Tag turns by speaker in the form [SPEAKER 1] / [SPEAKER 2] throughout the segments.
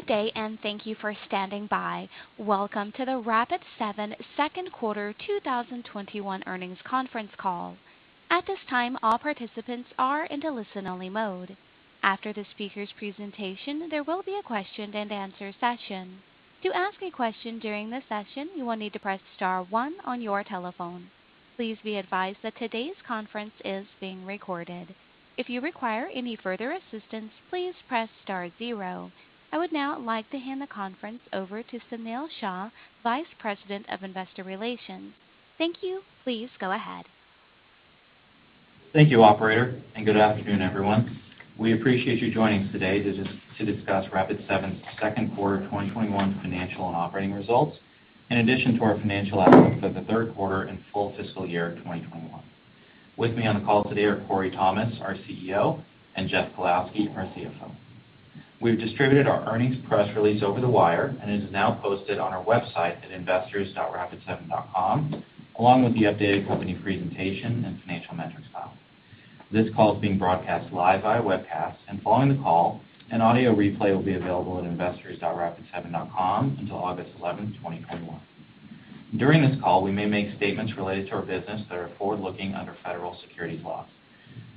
[SPEAKER 1] Good day. Thank you for standing by. Welcome to the Rapid7 second quarter 2021 earnings conference call. At this time, all participants are in to listen only mode. After the speaker's presentation, there will be a question and answer session. To ask a question during the session, you will need to press star one on your telephone. Please be advised that today's conference is being recorded. If you require any further assistance, please press star zero. I would now like to hand the conference over to Sunil Shah, Vice President of Investor Relations. Thank you. Please go ahead.
[SPEAKER 2] Thank you, operator. Good afternoon, everyone. We appreciate you joining us today to discuss Rapid7's Q2 2021 financial and operating results, in addition to our financial outlook for the third quarter and full fiscal year 2021. With me on the call today are Corey Thomas, our CEO, and Jeff Kalowski, our CFO. We've distributed our earnings press release over the wire, and it is now posted on our website at investors.rapid7.com, along with the updated company presentation and financial metrics file. This call is being broadcast live via webcast, and following the call, an audio replay will be available at investors.rapid7.com until August 11th, 2021. During this call, we may make statements related to our business that are forward-looking under federal securities laws.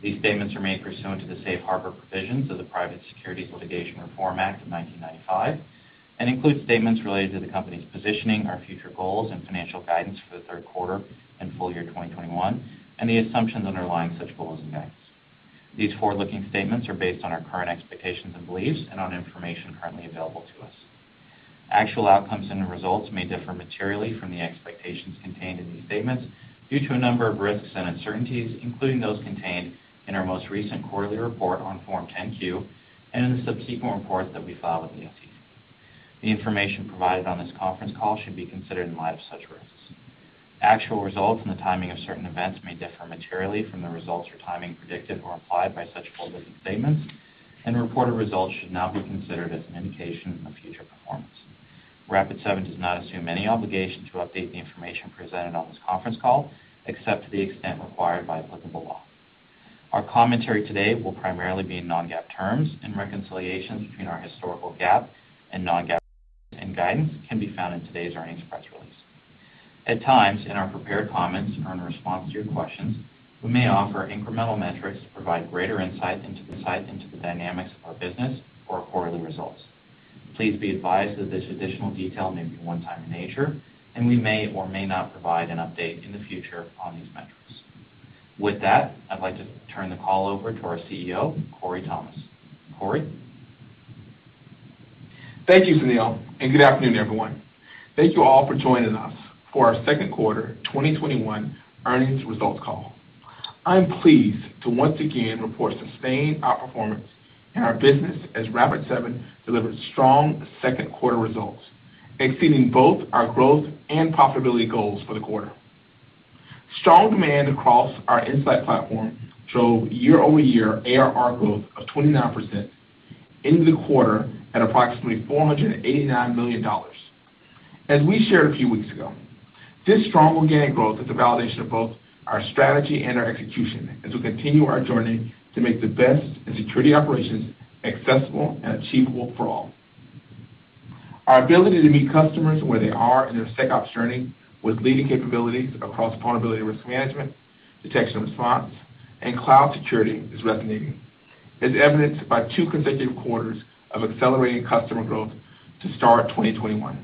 [SPEAKER 2] These statements are made pursuant to the safe harbor provisions of the Private Securities Litigation Reform Act of 1995 and include statements related to the company's positioning, our future goals, and financial guidance for the third quarter and full year 2021, and the assumptions underlying such goals and guidance. These forward-looking statements are based on our current expectations and beliefs and on information currently available to us. Actual outcomes and results may differ materially from the expectations contained in these statements due to a number of risks and uncertainties, including those contained in our most recent quarterly report on Form 10-Q and in subsequent reports that we file with the SEC. The information provided on this conference call should be considered in light of such risks. Actual results and the timing of certain events may differ materially from the results or timing predicted or implied by such forward-looking statements, and reported results should not be considered as an indication of future performance. Rapid7 does not assume any obligation to update the information presented on this conference call, except to the extent required by applicable law. Our commentary today will primarily be in non-GAAP terms, and reconciliations between our historical GAAP and non-GAAP and guidance can be found in today's earnings press release. At times, in our prepared comments or in response to your questions, we may offer incremental metrics to provide greater insight into the dynamics of our business or quarterly results. Please be advised that this additional detail may be one-time in nature, and we may or may not provide an update in the future on these metrics. With that, I'd like to turn the call over to our CEO, Corey Thomas. Corey?
[SPEAKER 3] Thank you, Sunil. Good afternoon, everyone. Thank you all for joining us for our second quarter 2021 earnings results call. I'm pleased to once again report sustained outperformance in our business as Rapid7 delivered strong second quarter results, exceeding both our growth and profitability goals for the quarter. Strong demand across our Insight platform drove year-over-year ARR growth of 29% into the quarter at approximately $489 million. As we shared a few weeks ago, this strong organic growth is a validation of both our strategy and our execution as we continue our journey to make the best in security operations accessible and achievable for all. Our ability to meet customers where they are in their SecOps journey with leading capabilities across vulnerability risk management, detection and response, and cloud security is resonating, as evidenced by two consecutive quarters of accelerating customer growth to start 2021.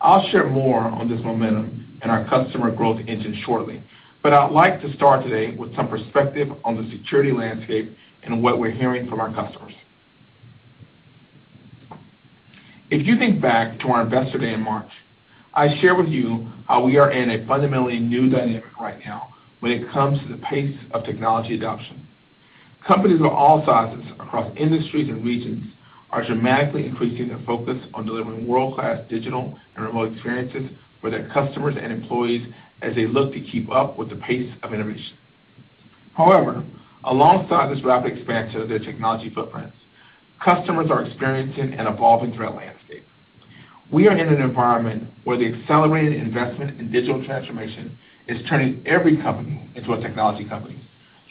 [SPEAKER 3] I'll share more on this momentum and our customer growth engine shortly, but I'd like to start today with some perspective on the security landscape and what we're hearing from our customers. If you think back to our Investor Day in March, I shared with you how we are in a fundamentally new dynamic right now when it comes to the pace of technology adoption. Companies of all sizes across industries and regions are dramatically increasing their focus on delivering world-class digital and remote experiences for their customers and employees as they look to keep up with the pace of innovation. However, alongside this rapid expansion of their technology footprints, customers are experiencing an evolving threat landscape. We are in an environment where the accelerated investment in digital transformation is turning every company into a technology company,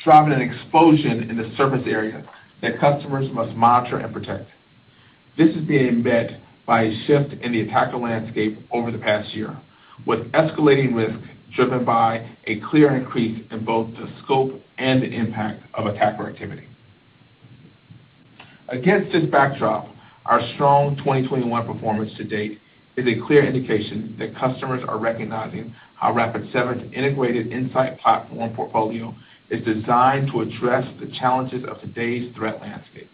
[SPEAKER 3] driving an explosion in the surface area that customers must monitor and protect. This is being met by a shift in the attacker landscape over the past year, with escalating risk driven by a clear increase in both the scope and the impact of attacker activity. Against this backdrop, our strong 2021 performance to date is a clear indication that customers are recognizing how Rapid7's integrated Insight platform portfolio is designed to address the challenges of today's threat landscape.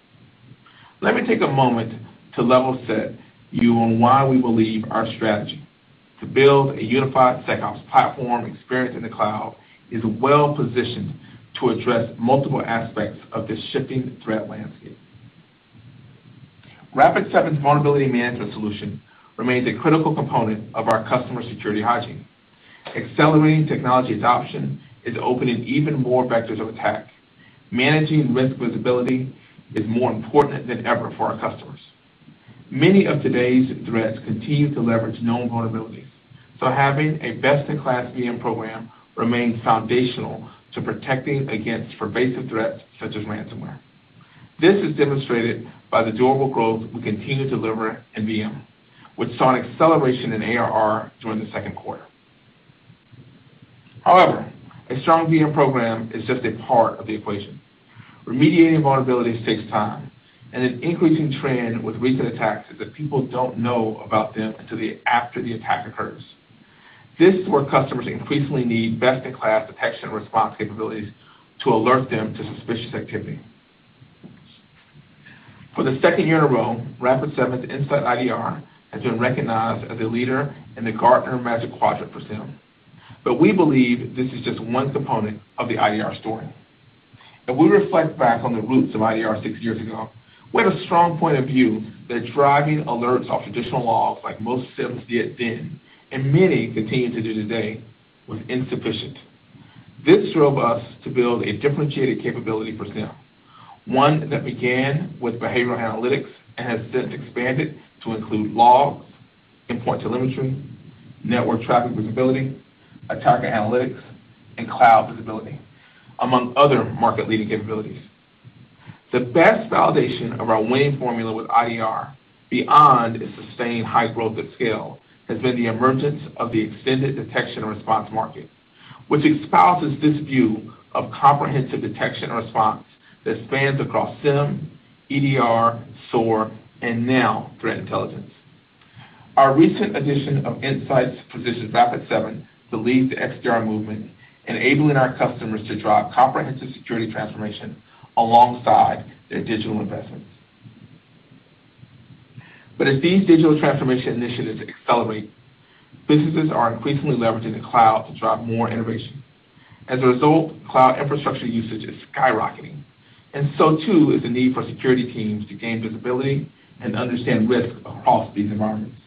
[SPEAKER 3] Let me take a moment to level set you on why we believe our strategy to build a unified SecOps platform experience in the cloud is well-positioned to address multiple aspects of this shifting threat landscape. Rapid7's vulnerability management solution remains a critical component of our customer security hygiene. Accelerating technology adoption is opening even more vectors of attack. Managing risk visibility is more important than ever for our customers. Many of today's threats continue to leverage known vulnerabilities, so having a best-in-class VM program remains foundational to protecting against pervasive threats such as ransomware. This is demonstrated by the durable growth we continue to deliver in VM, which saw an acceleration in ARR during the second quarter. A strong VM program is just a part of the equation. Remediating vulnerabilities takes time, an increasing trend with recent attacks is that people don't know about them until after the attack occurs. This is where customers increasingly need best-in-class detection response capabilities to alert them to suspicious activity. For the second year in a row, Rapid7's InsightIDR has been recognized as a leader in the Gartner Magic Quadrant for SIEM. We believe this is just one component of the IDR story. If we reflect back on the roots of IDR six years ago, we had a strong point of view that driving alerts off traditional logs like most SIEMs did then, and many continue to do today, was insufficient. This drove us to build a differentiated capability for SIEM. One that began with behavioral analytics and has since expanded to include logs, endpoint telemetry, network traffic visibility, attacker analytics, and cloud visibility, among other market-leading capabilities. The best validation of our winning formula with IDR, beyond its sustained high growth at scale, has been the emergence of the extended detection and response market, which espouses this view of comprehensive detection and response that spans across SIEM, EDR, SOAR, and now threat intelligence. Our recent addition of IntSights positions Rapid7 to lead the XDR movement, enabling our customers to drive comprehensive security transformation alongside their digital investments. As these digital transformation initiatives accelerate, businesses are increasingly leveraging the cloud to drive more innovation. As a result, cloud infrastructure usage is skyrocketing, and so too is the need for security teams to gain visibility and understand risk across these environments.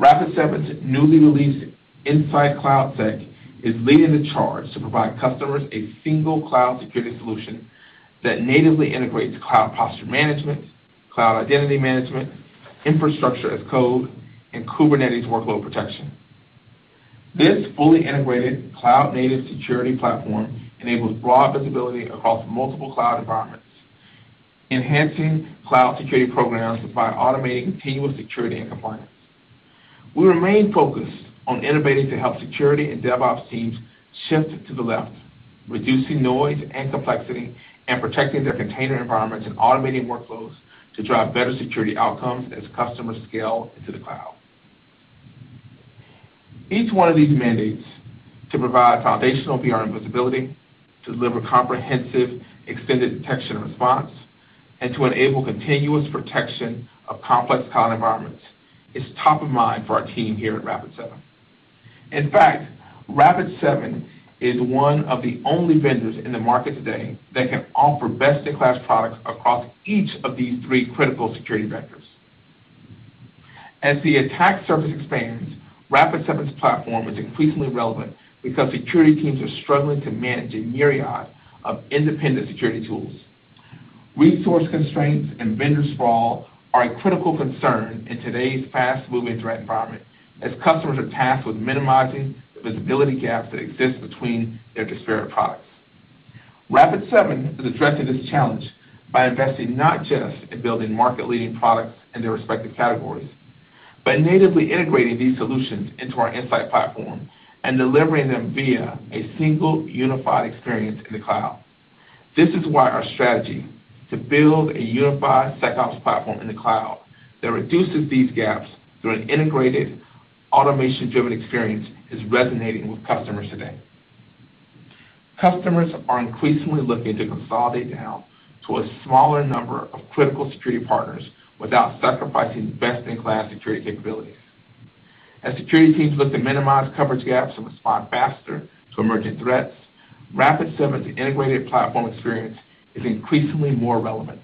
[SPEAKER 3] Rapid7's newly released InsightCloudSec is leading the charge to provide customers a single cloud security solution that natively integrates Cloud Posture Management, cloud identity management, Infrastructure as Code, and Kubernetes workload protection. This fully integrated cloud-native security platform enables broad visibility across multiple cloud environments, enhancing cloud security programs by automating continuous security and compliance. We remain focused on innovating to help security and DevOps teams shift to the left, reducing noise and complexity, and protecting their container environments and automating workflows to drive better security outcomes as customers scale into the cloud. Each one of these mandates to provide foundational VM and visibility, to deliver comprehensive extended detection and response, and to enable continuous protection of complex cloud environments is top of mind for our team here at Rapid7. In fact, Rapid7 is one of the only vendors in the market today that can offer best-in-class products across each of these three critical security vectors. As the attack surface expands, Rapid7's platform is increasingly relevant because security teams are struggling to manage a myriad of independent security tools. Resource constraints and vendor sprawl are a critical concern in today's fast-moving threat environment, as customers are tasked with minimizing the visibility gaps that exist between their disparate products. Rapid7 is addressing this challenge by investing not just in building market-leading products in their respective categories, but natively integrating these solutions into our Insight platform and delivering them via a single unified experience in the cloud. This is why our strategy to build a unified SecOps platform in the cloud that reduces these gaps through an integrated, automation-driven experience is resonating with customers today. Customers are increasingly looking to consolidate down to a smaller number of critical security partners without sacrificing best-in-class security capabilities. As security teams look to minimize coverage gaps and respond faster to emerging threats, Rapid7's integrated platform experience is increasingly more relevant.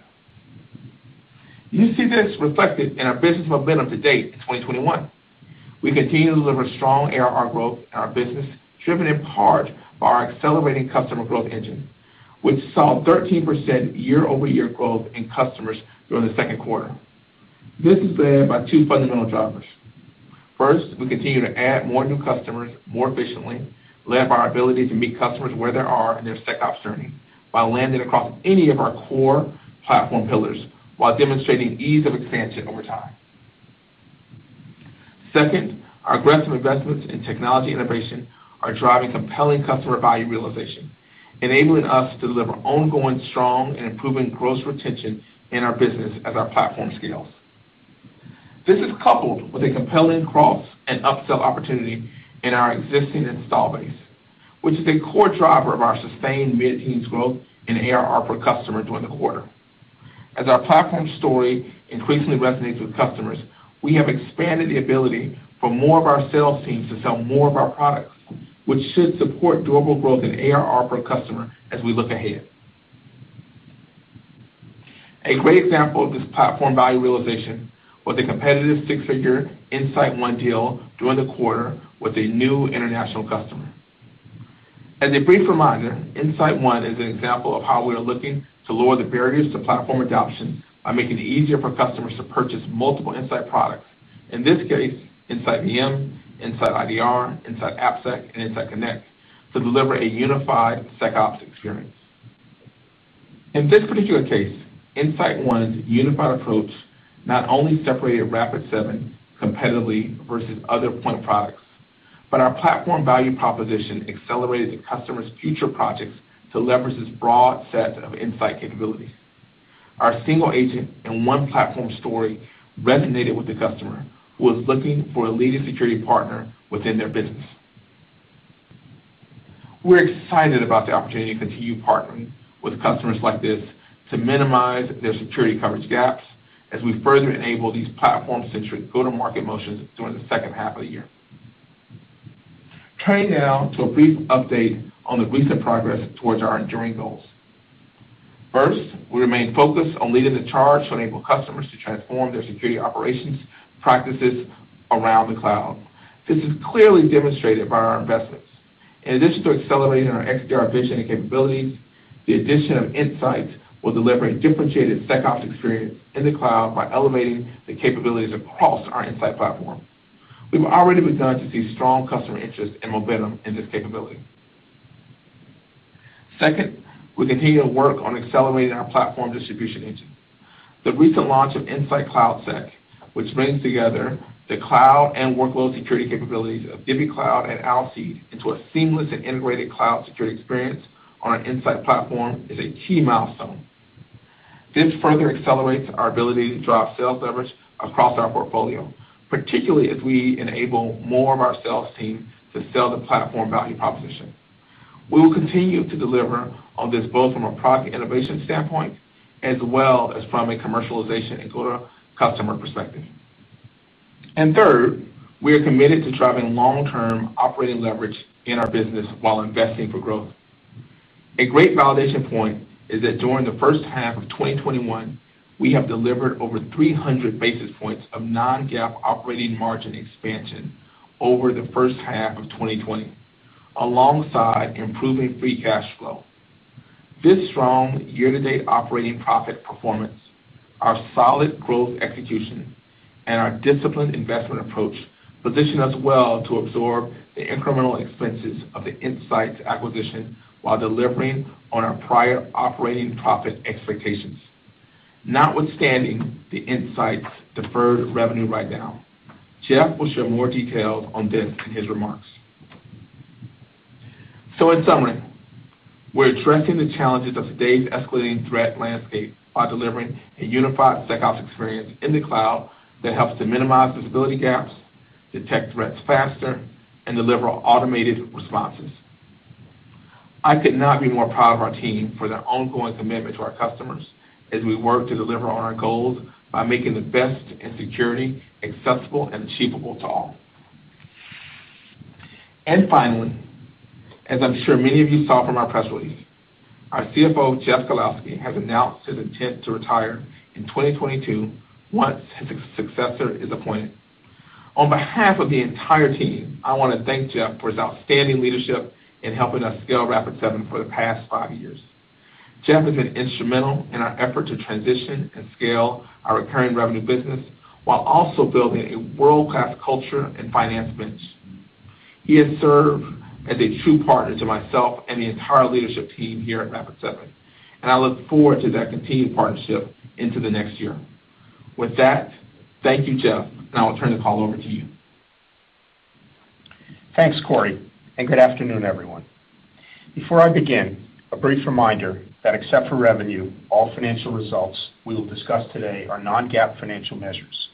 [SPEAKER 3] You see this reflected in our business momentum to date in 2021. We continue to deliver strong ARR growth in our business, driven in part by our accelerating customer growth engine, which saw 13% year-over-year growth in customers during the second quarter. This is led by two fundamental drivers. First, we continue to add more new customers more efficiently, led by our ability to meet customers where they are in their SecOps journey by landing across any of our core platform pillars while demonstrating ease of expansion over time. Second, our aggressive investments in technology innovation are driving compelling customer value realization, enabling us to deliver ongoing strong and improving gross retention in our business as our platform scales. This is coupled with a compelling cross and upsell opportunity in our existing install base, which is a core driver of our sustained mid-teens growth in ARR per customer during the quarter. As our platform story increasingly resonates with customers, we have expanded the ability for more of our sales teams to sell more of our products, which should support durable growth in ARR per customer as we look ahead. A great example of this platform value realization was a competitive six-figure InsightONE deal during the quarter with a new international customer. As a brief reminder, InsightONE is an example of how we are looking to lower the barriers to platform adoption by making it easier for customers to purchase multiple Insight products. In this case, InsightVM, InsightIDR, InsightAppSec, and InsightConnect to deliver a unified SecOps experience. In this particular case, InsightONE's unified approach not only separated Rapid7 competitively versus other point products, but our platform value proposition accelerated the customer's future projects to leverage this broad set of Insight capabilities. Our single agent and one platform story resonated with the customer, who was looking for a leading security partner within their business. We're excited about the opportunity to continue partnering with customers like this to minimize their security coverage gaps as we further enable these platform-centric go-to-market motions during the second half of the year. Turning now to a brief update on the recent progress towards our enduring goals. First, we remain focused on leading the charge to enable customers to transform their security operations practices around the cloud. This is clearly demonstrated by our investments. In addition to accelerating our XDR vision and capabilities, the addition of Insight will deliver a differentiated SecOps experience in the cloud by elevating the capabilities across our Insight platform. We've already begun to see strong customer interest and momentum in this capability. Second, we continue to work on accelerating our platform distribution engine. The recent launch of InsightCloudSec, which brings together the cloud and workload security capabilities of DivvyCloud and Alcide into a seamless and integrated cloud security experience on our Insight platform, is a key milestone. This further accelerates our ability to drive sales leverage across our portfolio, particularly as we enable more of our sales team to sell the platform value proposition. We will continue to deliver on this, both from a product innovation standpoint as well as from a commercialization and go-to-customer perspective. Third, we are committed to driving long-term operating leverage in our business while investing for growth. A great validation point is that during the first half of 2021, we have delivered over 300 basis points of non-GAAP operating margin expansion over the first half of 2020, alongside improving free cash flow. This strong year-to-date operating profit performance, our solid growth execution, and our disciplined investment approach position us well to absorb the incremental expenses of the Insight acquisition while delivering on our prior operating profit expectations, notwithstanding the IntSights deferred revenue write-down. Jeff will share more details on this in his remarks. In summary, we're addressing the challenges of today's escalating threat landscape by delivering a unified SecOps experience in the cloud that helps to minimize visibility gaps, detect threats faster, and deliver automated responses. I could not be more proud of our team for their ongoing commitment to our customers as we work to deliver on our goals by making the best in security accessible and achievable to all. Finally, as I'm sure many of you saw from our press release, our CFO, Jeff Kalowski, has announced his intent to retire in 2022 once his successor is appointed. On behalf of the entire team, I want to thank Jeff for his outstanding leadership in helping us scale Rapid7 for the past five years. Jeff has been instrumental in our effort to transition and scale our recurring revenue business while also building a world-class culture and finance bench. He has served as a true partner to myself and the entire leadership team here at Rapid7, and I look forward to that continued partnership into the next year. With that, thank you, Jeff, and I will turn the call over to you.
[SPEAKER 4] Thanks, Corey. Good afternoon, everyone. Before I begin, a brief reminder that except for revenue, all financial results we will discuss today are non-GAAP financial measures,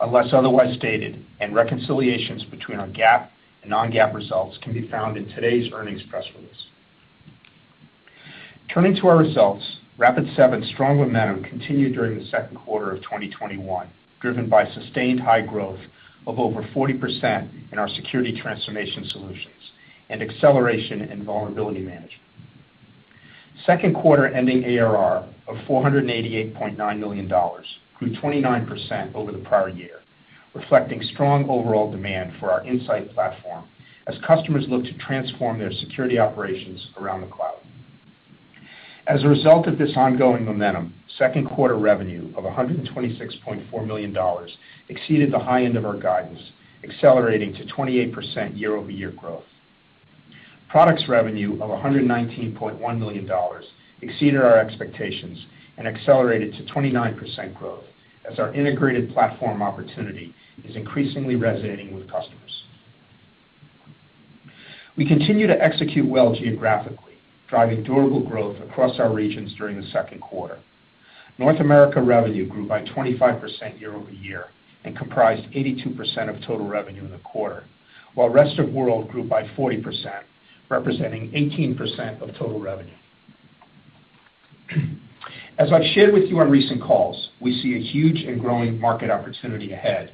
[SPEAKER 4] unless otherwise stated, and reconciliations between our GAAP and non-GAAP results can be found in today's earnings press release. Turning to our results, Rapid7's strong momentum continued during the second quarter of 2021, driven by sustained high growth of over 40% in our security transformation solutions and acceleration in vulnerability management. Second quarter ending ARR of $488.9 million grew 29% over the prior year, reflecting strong overall demand for our Insight platform as customers look to transform their security operations around the cloud. As a result of this ongoing momentum, second quarter revenue of $126.4 million exceeded the high end of our guidance, accelerating to 28% year-over-year growth. Products revenue of $119.1 million exceeded our expectations and accelerated to 29% growth as our integrated platform opportunity is increasingly resonating with customers. We continue to execute well geographically, driving durable growth across our regions during the second quarter. North America revenue grew by 25% year-over-year and comprised 82% of total revenue in the quarter, while rest of world grew by 40%, representing 18% of total revenue. As I've shared with you on recent calls, we see a huge and growing market opportunity ahead,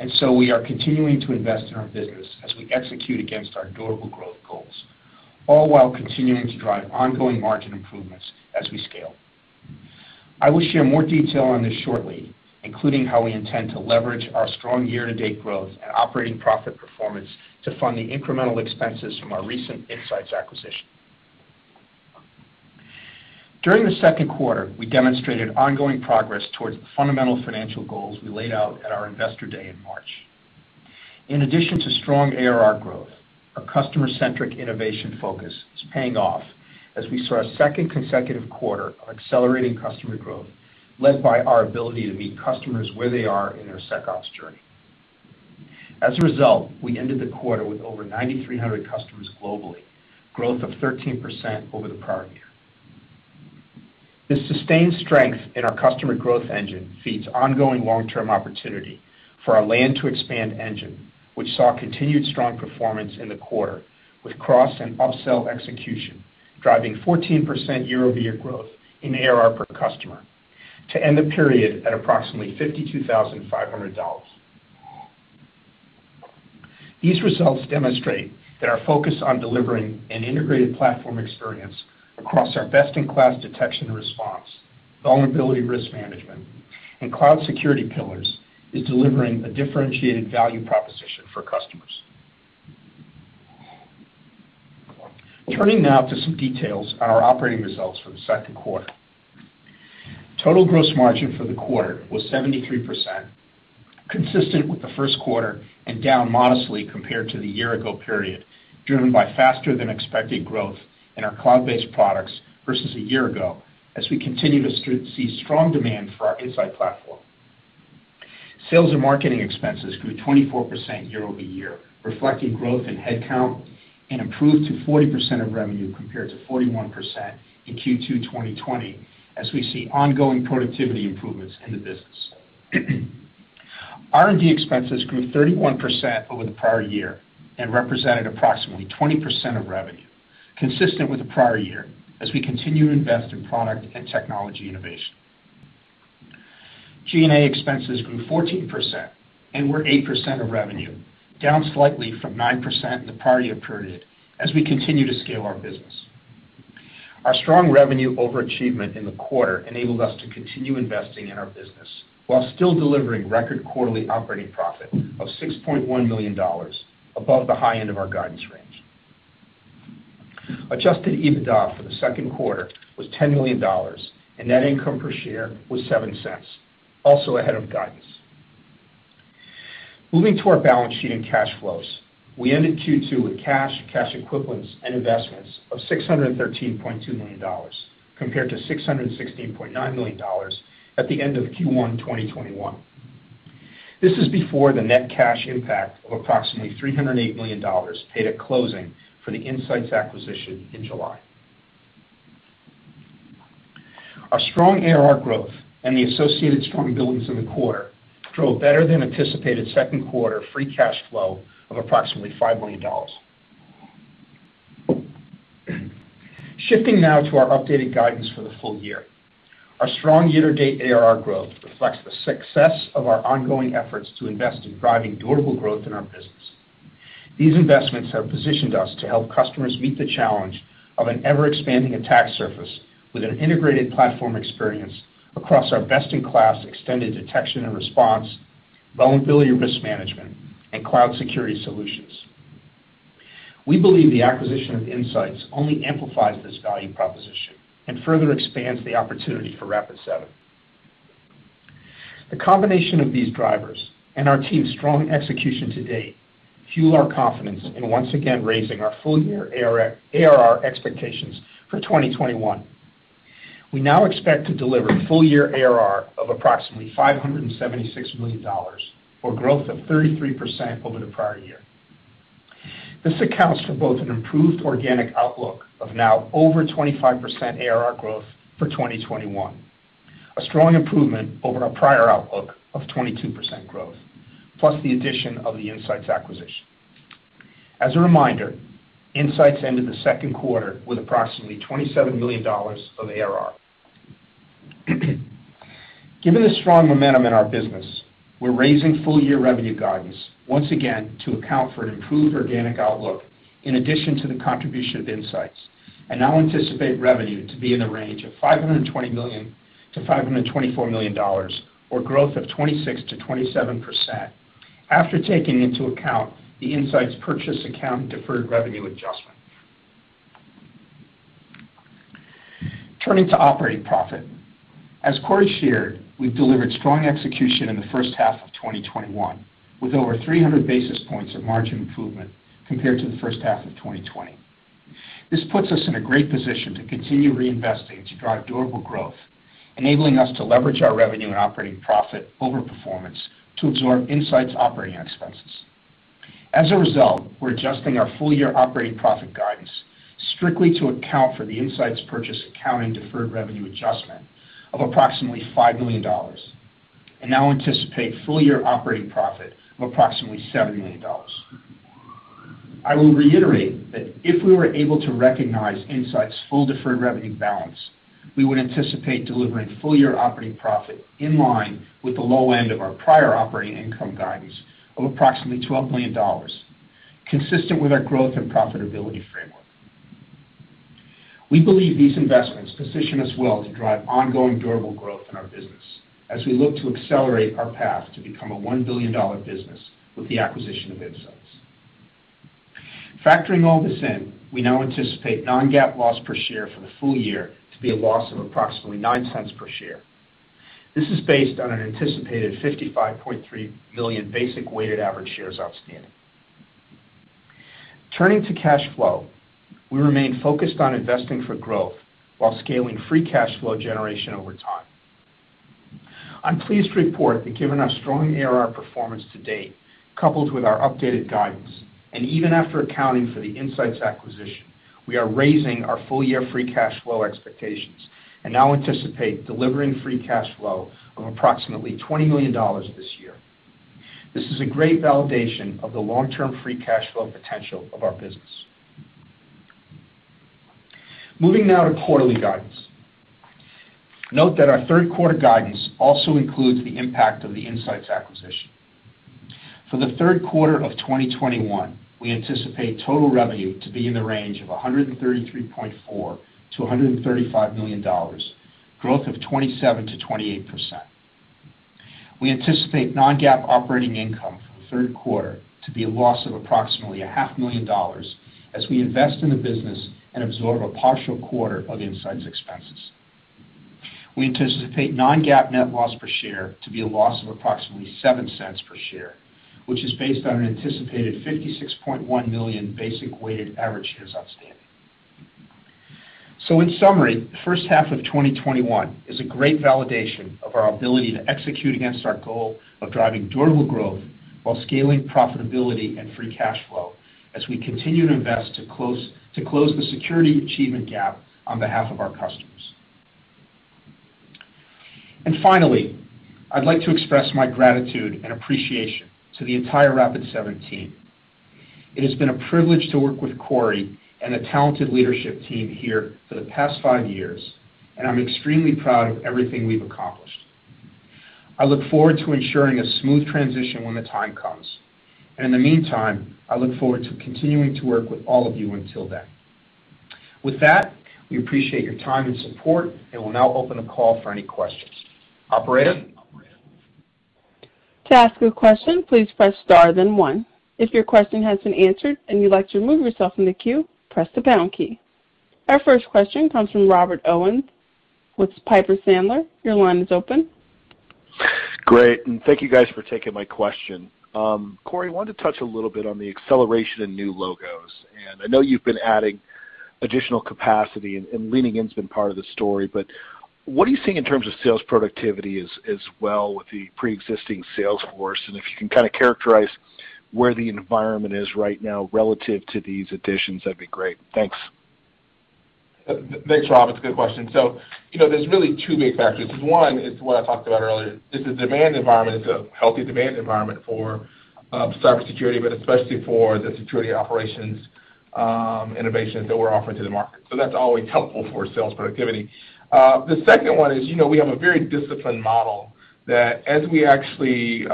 [SPEAKER 4] and so we are continuing to invest in our business as we execute against our durable growth goals, all while continuing to drive ongoing margin improvements as we scale. I will share more detail on this shortly, including how we intend to leverage our strong year-to-date growth and operating profit performance to fund the incremental expenses from our recent IntSights acquisition. During the second quarter, we demonstrated ongoing progress towards the fundamental financial goals we laid out at our Investor Day in March. In addition to strong ARR growth, our customer-centric innovation focus is paying off as we saw a second consecutive quarter of accelerating customer growth, led by our ability to meet customers where they are in their SecOps journey. As a result, we ended the quarter with over 300 customers globally, growth of 13% over the prior year. This sustained strength in our customer growth engine feeds ongoing long-term opportunity for our land to expand engine, which saw continued strong performance in the quarter with cross and upsell execution, driving 14% year-over-year growth in ARR per customer to end the period at approximately $52,500. These results demonstrate that our focus on delivering an integrated platform experience across our best-in-class detection and response, vulnerability risk management, and cloud security pillars is delivering a differentiated value proposition for customers. Turning now to some details on our operating results for the second quarter. Total gross margin for the quarter was 73%, consistent with the first quarter, and down modestly compared to the year-ago period, driven by faster than expected growth in our cloud-based products versus a year ago, as we continue to see strong demand for our Insight platform. Sales and marketing expenses grew 24% year-over-year, reflecting growth in headcount and improved to 40% of revenue compared to 41% in Q2 2020, as we see ongoing productivity improvements in the business. R&D expenses grew 31% over the prior year and represented approximately 20% of revenue, consistent with the prior year as we continue to invest in product and technology innovation. G&A expenses grew 14% and were 8% of revenue, down slightly from 9% in the prior-year period as we continue to scale our business. Our strong revenue overachievement in the quarter enabled us to continue investing in our business while still delivering record quarterly operating profit of $6.1 million, above the high end of our guidance range. Adjusted EBITDA for the second quarter was $10 million, and net income per share was $0.07, also ahead of guidance. Moving to our balance sheet and cash flows. We ended Q2 with cash equivalents, and investments of $613.2 million, compared to $616.9 million at the end of Q1 2021. This is before the net cash impact of approximately $308 million paid at closing for the IntSights acquisition in July. Our strong ARR growth and the associated strong billings in the quarter drove better than anticipated second quarter free cash flow of approximately $5 million. Shifting now to our updated guidance for the full year. Our strong year-to-date ARR growth reflects the success of our ongoing efforts to invest in driving durable growth in our business. These investments have positioned us to help customers meet the challenge of an ever-expanding attack surface with an integrated platform experience across our best-in-class extended detection and response, vulnerability risk management, and cloud security solutions. We believe the acquisition of IntSights only amplifies this value proposition and further expands the opportunity for Rapid7. The combination of these drivers and our team's strong execution to date fuel our confidence in once again raising our full-year ARR expectations for 2021. We now expect to deliver full-year ARR of approximately $576 million, or growth of 33% over the prior year. This accounts for both an improved organic outlook of now over 25% ARR growth for 2021, a strong improvement over our prior outlook of 22% growth, plus the addition of the IntSights acquisition. As a reminder, IntSights ended the second quarter with approximately $27 million of ARR. Given the strong momentum in our business, we're raising full-year revenue guidance once again to account for an improved organic outlook in addition to the contribution of IntSights, and now anticipate revenue to be in the range of $520 million-$524 million, or growth of 26%-27% after taking into account the IntSights purchase account and deferred revenue adjustment. Turning to operating profit. As Corey shared, we've delivered strong execution in the first half of 2021, with over 300 basis points of margin improvement compared to the first half of 2020. This puts us in a great position to continue reinvesting to drive durable growth, enabling us to leverage our revenue and operating profit over performance to absorb IntSights operating expenses. As a result, we're adjusting our full-year operating profit guidance strictly to account for the IntSights purchase accounting deferred revenue adjustment of approximately $5 million, and now anticipate full-year operating profit of approximately $7 million. I will reiterate that if we were able to recognize IntSights' full deferred revenue balance, we would anticipate delivering full-year operating profit in line with the low end of our prior operating income guidance of approximately $12 million, consistent with our growth and profitability framework. We believe these investments position us well to drive ongoing durable growth in our business as we look to accelerate our path to become a $1 billion business with the acquisition of IntSights. Factoring all this in, we now anticipate non-GAAP loss per share for the full year to be a loss of approximately $0.09 per share. This is based on an anticipated 55.3 million basic weighted average shares outstanding. Turning to cash flow, we remain focused on investing for growth while scaling free cash flow generation over time. I'm pleased to report that given our strong ARR performance to date, coupled with our updated guidance, and even after accounting for the IntSights acquisition, we are raising our full-year free cash flow expectations and now anticipate delivering free cash flow of approximately $20 million this year. This is a great validation of the long-term free cash flow potential of our business. Moving now to quarterly guidance. Note that our third quarter guidance also includes the impact of the IntSights acquisition. For the third quarter of 2021, we anticipate total revenue to be in the range of $133.4 million-$135 million, growth of 27%-28%. We anticipate non-GAAP operating income for the third quarter to be a loss of approximately a half million dollars as we invest in the business and absorb a partial quarter of IntSights expenses. We anticipate non-GAAP net loss per share to be a loss of approximately $0.07 per share, which is based on an anticipated 56.1 million basic weighted average shares outstanding. In summary, the first half of 2021 is a great validation of our ability to execute against our goal of driving durable growth while scaling profitability and free cash flow as we continue to invest to close the security achievement gap on behalf of our customers. Finally, I'd like to express my gratitude and appreciation to the entire Rapid7 team. It has been a privilege to work with Corey and the talented leadership team here for the past five years, and I'm extremely proud of everything we've accomplished. I look forward to ensuring a smooth transition when the time comes. In the meantime, I look forward to continuing to work with all of you until then. With that, we appreciate your time and support, and we'll now open the call for any questions. Operator?
[SPEAKER 1] To ask a question, please press star then one. If your question has been answered and you'd like to remove yourself from the queue, press the pound key. Our first question comes from Rob Owens with Piper Sandler. Your line is open.
[SPEAKER 5] Great, thank you guys for taking my question. Corey, wanted to touch a little bit on the acceleration in new logos. I know you've been adding additional capacity and leaning in has been part of the story, what are you seeing in terms of sales productivity as well with the preexisting sales force? If you can characterize where the environment is right now relative to these additions, that'd be great. Thanks.
[SPEAKER 3] Thanks, Rob. It's a good question. There's really two big factors. One is what I talked about earlier. It's a demand environment. It's a healthy demand environment for cybersecurity, but especially for the security operations innovations that we're offering to the market. That's always helpful for sales productivity. The second one is we have a very disciplined model that as we introduce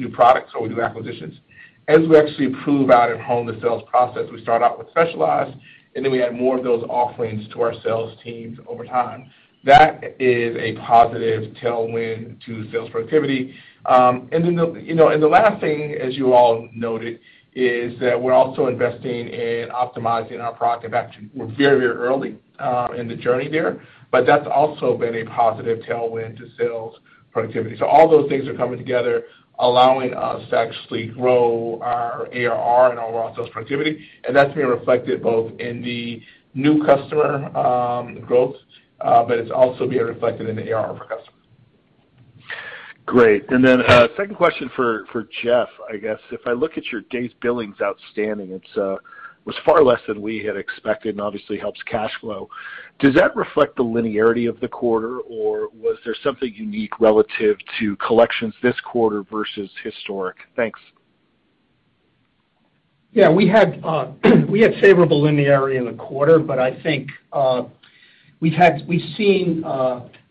[SPEAKER 3] new products or we do acquisitions, as we actually prove out and hone the sales process, we start out with specialized, and then we add more of those offerings to our sales teams over time. That is a positive tailwind to sales productivity. The last thing, as you all noted, is that we're also investing in optimizing our product. In fact, we're very early in the journey there, but that's also been a positive tailwind to sales productivity. All those things are coming together, allowing us to actually grow our ARR and our raw sales productivity, and that's being reflected both in the new customer growth, but it's also being reflected in the ARR of our customers.
[SPEAKER 5] Great. Then second question for Jeff, I guess. If I look at your Days Billings Outstanding, it was far less than we had expected and obviously helps cash flow. Does that reflect the linearity of the quarter, or was there something unique relative to collections this quarter versus historic? Thanks.
[SPEAKER 4] Yeah, we had favorable linearity in the quarter, but I think we've seen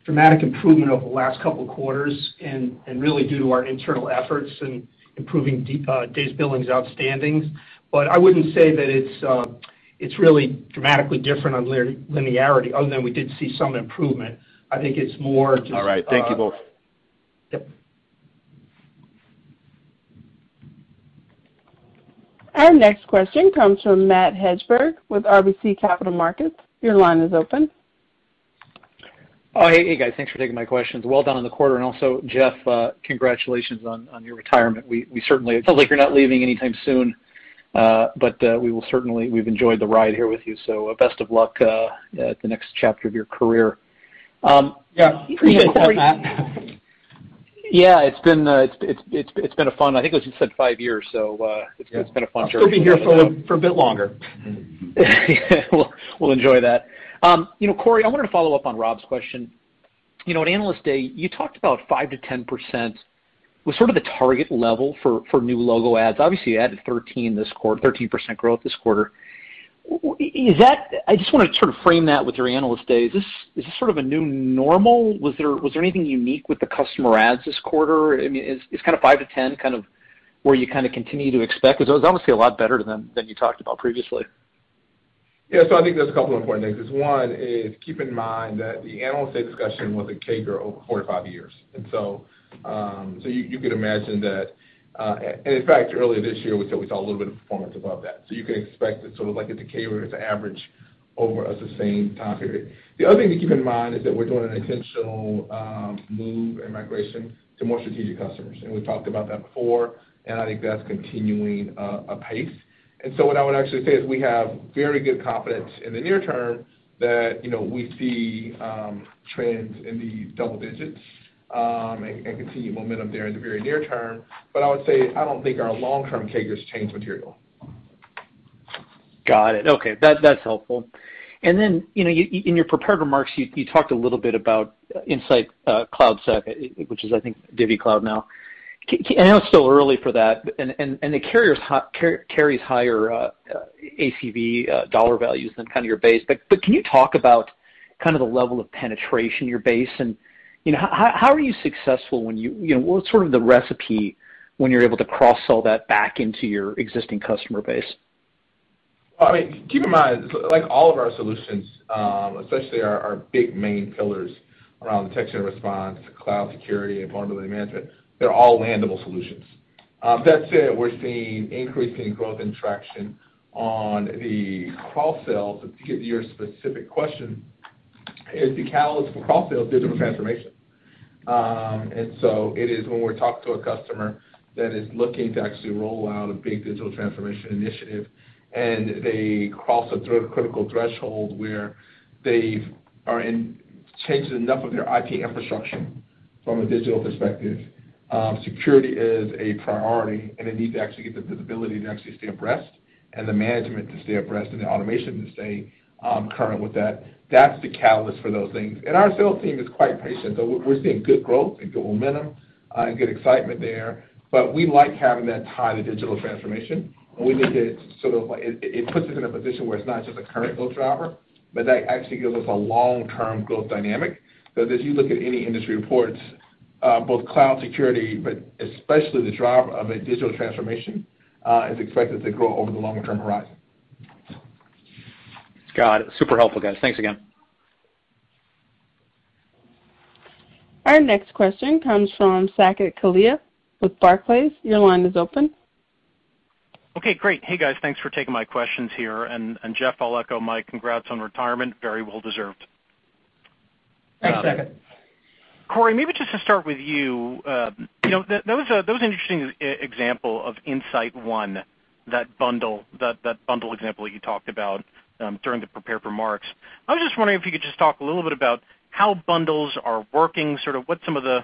[SPEAKER 4] dramatic improvement over the last couple of quarters and really due to our internal efforts in improving Days Billings Outstanding. I wouldn't say that it's really dramatically different on linearity other than we did see some improvement. I think it's more.
[SPEAKER 5] All right. Thank you both.
[SPEAKER 4] Yep.
[SPEAKER 1] Our next question comes from Matt Hedberg with RBC Capital Markets. Your line is open.
[SPEAKER 6] Oh, hey guys, thanks for taking my questions. Well done on the quarter, and also, Jeff, congratulations on your retirement. It sounds like you're not leaving anytime soon, but we've enjoyed the ride here with you, so best of luck at the next chapter of your career.
[SPEAKER 4] Yeah. Appreciate that, Matt.
[SPEAKER 6] Yeah, it's been fun. I think it was, you said five years, so it's been a fun journey.
[SPEAKER 4] I'll still be here for a bit longer.
[SPEAKER 6] We'll enjoy that. Corey, I wanted to follow up on Rob's question. At Analyst Day, you talked about 5%-10% was sort of the target level for new logo adds. Obviously, you added 13% growth this quarter. I just want to frame that with your Analyst Day. Is this sort of a new normal? Was there anything unique with the customer adds this quarter? I mean, is kind of 5%-10% kind of where you continue to expect, because those numbers seem a lot better than you talked about previously.
[SPEAKER 3] Yes. I think there's a couple of important things. One is, keep in mind that the analyst discussion was a CAGR over four to five years. In fact, earlier this year we saw a little bit of performance above that. You can expect it sort of like a decay or it's an average over as the same time period. The other thing to keep in mind is that we're doing an intentional move and migration to more strategic customers, and we've talked about that before, and I think that's continuing apace. What I would actually say is we have very good confidence in the near term that we see trends in the double digits, and continue momentum there in the very near term. I would say, I don't think our long-term CAGR has changed material.
[SPEAKER 6] Got it. Okay. That's helpful. Then, in your prepared remarks, you talked a little bit about InsightCloudSec, which is, I think, DivvyCloud now. I know it's still early for that, and it carries higher ACV dollar values than your base, but can you talk about the level of penetration in your base and how are you successful? What's the recipe when you're able to cross-sell that back into your existing customer base?
[SPEAKER 3] Keep in mind, like all of our solutions, especially our big main pillars around detection and response, cloud security, and vulnerability management, they're all landable solutions. That said, we're seeing increasing growth and traction on the cross-sells. To give your specific question, the catalyst for cross-sell is digital transformation. It is when we talk to a customer that is looking to actually roll out a big digital transformation initiative, and they cross a critical threshold where they've changed enough of their IT infrastructure from a digital perspective. Security is a priority and they need to actually get the visibility to actually stay abreast, and the management to stay abreast, and the automation to stay current with that. That's the catalyst for those things. Our sales team is quite patient. We're seeing good growth and good momentum and good excitement there, but we like having that tied to digital transformation. It puts us in a position where it's not just a current growth driver, but that actually gives us a long-term growth dynamic. If you look at any industry reports, both cloud security, but especially the driver of a digital transformation, is expected to grow over the longer term horizon.
[SPEAKER 6] Got it. Super helpful, guys. Thanks again.
[SPEAKER 1] Our next question comes from Saket Kalia with Barclays. Your line is open.
[SPEAKER 7] Okay, great. Hey, guys. Thanks for taking my questions here. Jeff, I'll echo Mike. Congrats on retirement. Very well deserved.
[SPEAKER 4] Thanks, Saket.
[SPEAKER 7] Corey, maybe just to start with you. That was an interesting example of InsightONE, that bundle example that you talked about during the prepared remarks. I was just wondering if you could just talk a little bit about how bundles are working, what some of the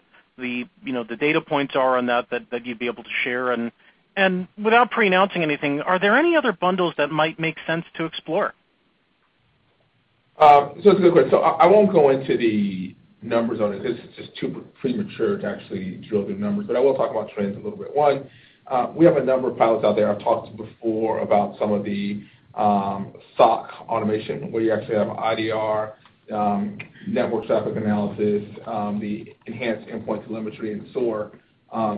[SPEAKER 7] data points are on that that you'd be able to share? Without preannouncing anything, are there any other bundles that might make sense to explore?
[SPEAKER 3] That's a good question. I won't go into the numbers on it. It's just too premature to actually drill the numbers, but I will talk about trends a little bit. One, we have a number of pilots out there. I've talked before about some of the SOC automation where you actually have IDR, network traffic analysis, the enhanced endpoint telemetry, and SOAR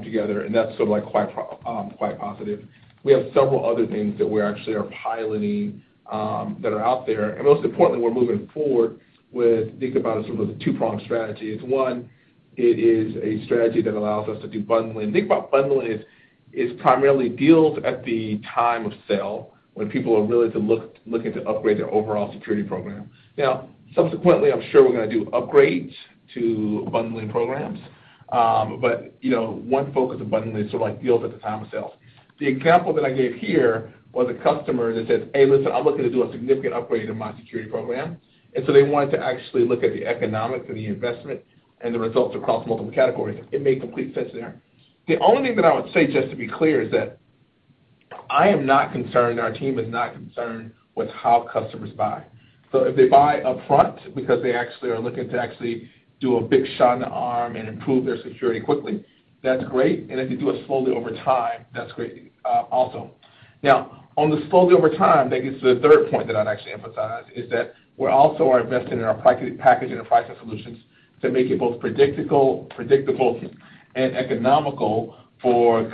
[SPEAKER 3] together, and that's quite positive. We have several other things that we actually are piloting that are out there. Most importantly, we're moving forward with think about it as sort of a 2-pronged strategy, is One, it is a strategy that allows us to do bundling. The thing about bundling is primarily deals at the time of sale, when people are really looking to upgrade their overall security program. Subsequently, I'm sure we're going to do upgrades to bundling programs. One focus of bundling is deals at the time of sale. The example that I gave here was a customer that said, "Hey, listen, I'm looking to do a significant upgrade to my security program." They wanted to actually look at the economics of the investment and the results across multiple categories. It made complete sense there. The only thing that I would say, just to be clear, is that I am not concerned, our team is not concerned with how customers buy. If they buy upfront because they actually are looking to actually do a big shot in the arm and improve their security quickly, that's great. If they do it slowly over time, that's great also. On the slowly over time, that gets to the third point that I'd actually emphasize, is that we also are investing in our packaging and pricing solutions to make it both predictable and economical for